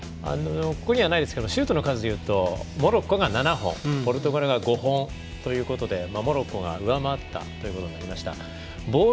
ここにはないですがシュートの数でいうとモロッコが７本ポルトガルが５本ということでモロッコが上回ったということになりました。